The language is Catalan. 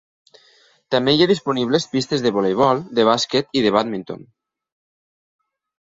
També hi ha disponibles pistes de voleibol, de bàsquet i de bàdminton.